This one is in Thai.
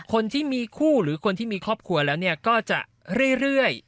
คนที่มีคู่หรือคนที่มีครอบครัวแล้วก็จะเรื่อย